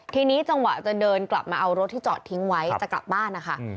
ทีนี้จังหวะจะเดินกลับมาเอารถที่จอดทิ้งไว้จะกลับบ้านนะคะ